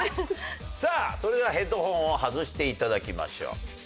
さあそれではヘッドホンを外して頂きましょう。